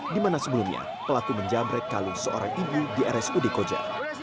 di mana sebelumnya pelaku menjabrek kalung seorang ibu di rs ude koja